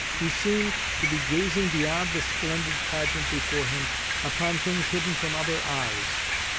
He seemed to be gazing beyond the splendid pageant before him, upon things hidden from other eyes.